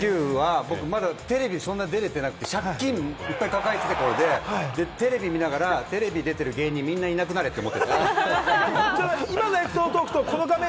２９歳は僕まだテレビに出られてなくて、借金を抱えていた頃で、テレビ見ながら、テレビで出ている芸人みんないなくなれ！と思っていました。